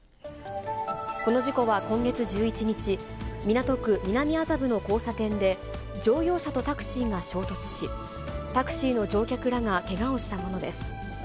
この事故は今月１１日、港区南麻布の交差点で、乗用車とタクシーが衝突し、タクシーの乗客らがけがをしたものです。